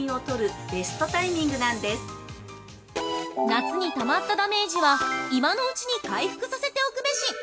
◆夏にたまったダメージは、今のうちに回復させておくべし。